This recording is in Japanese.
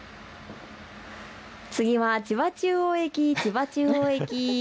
次は千葉中央駅、千葉中央駅。